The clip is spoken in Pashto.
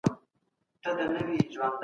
تاسي ولي د شکر پر ځای وېرې ته ځای ورکوئ؟